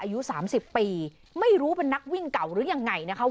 อายุ๓๐ปีไม่รู้เป็นนักวิ่งเก่าหรือยังไงนะคะ